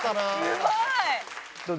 すごい！